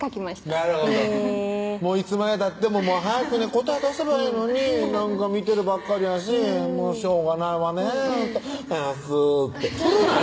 なるほどいつまでたっても早く答え出せばいいのになんか見てるばっかりやししょうがないわねぇ「Ｓ」って古ない？